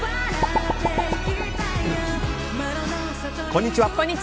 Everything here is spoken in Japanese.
こんにちは。